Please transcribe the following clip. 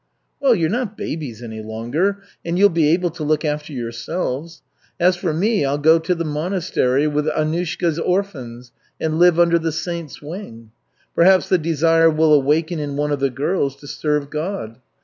"Well, you're not babies any longer, and you'll be able to look after yourselves. As for me, I'll go to the monastery with Annushka's orphans and live under the saint's wing. Perhaps the desire will awaken in one of the girls to serve God.